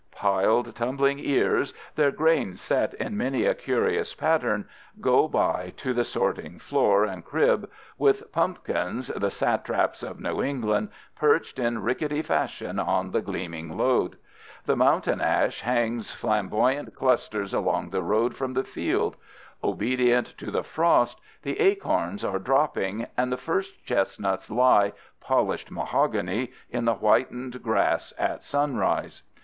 Piled, tumbling ears, their grain set in many a curious pattern, go by to the sorting floor and crib, with pumpkins, the satraps of New England, perched in rickety fashion on the gleaming load. The mountain ash hangs flamboyant clusters along the road from the field. Obedient to the frost, the acorns are dropping, and the first chestnuts lie, polished mahogany, in the whitened grass at sunrise.